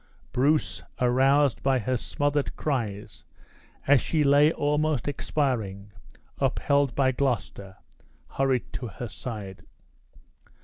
Bruce, aroused by her smothered cries, as she lay almost expiring, upheld by Gloucester, hurried to her side.